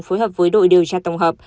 phối hợp với đội điều tra tổng hợp